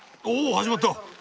始まった！